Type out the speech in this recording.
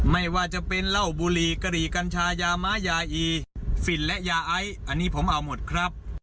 ไม่ว่าจะเป็นเหล้าบุหรี่กะหรี่กัญชายาม้ายาอีฝิ่นและยาไออันนี้ผมเอาหมดครับ